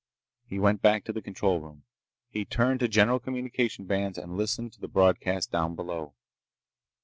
He went back to the control room. He turned to general communication bands and listened to the broadcasts down below.